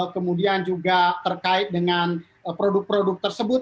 kemudian juga terkait dengan produk produk tersebut